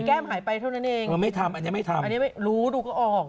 แก้มหายไปเท่านั้นเองเออไม่ทำอันนี้ไม่ทำอันนี้ไม่รู้ดูก็ออก